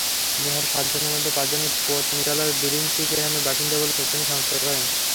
নিহত সাতজনের মধ্যে পাঁচজনই পত্নীতলার বিরিঞ্চি গ্রামের বাসিন্দা বলে তিনি শনাক্ত করেন।